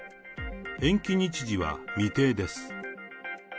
延期日時は未定です。